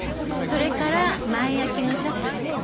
それから前開きのシャツ。